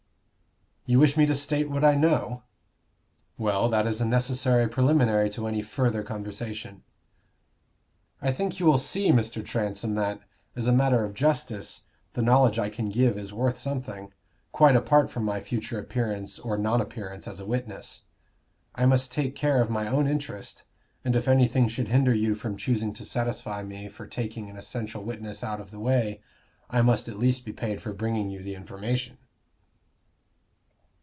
"You wish me to state what I know?" "Well, that is a necessary preliminary to any further conversation." "I think you will see, Mr. Transome, that, as a matter of justice, the knowledge I can give is worth something, quite apart from my future appearance or non appearance as a witness. I must take care of my own interest, and if anything should hinder you from choosing to satisfy me for taking an essential witness out of the way, I must at least be paid for bringing you the information."